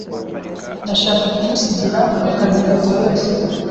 Ndashaka kumusigira aka kazi katoroshye.